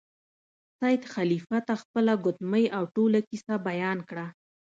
سید خلیفه ته خپله ګوتمۍ او ټوله کیسه بیان کړه.